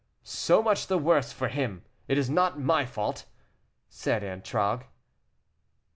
"So much the worse for him; it is not my fault," said Antragues.